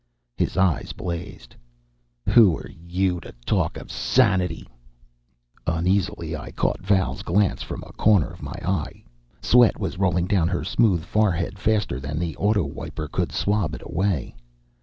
His eyes blazed. "Who are you to talk of sanity?" Uneasily I caught Val's glance from a corner of my eye. Sweat was rolling down her smooth forehead faster than the auto wiper could swab it away.